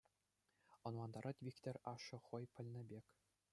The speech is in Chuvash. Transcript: Ӑнлантарать Вихтӗр ашшӗ хӑй пӗлнӗ пек.